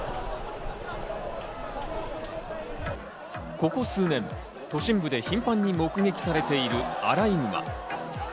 ここ数年、都心部で頻繁に目撃されているアライグマ。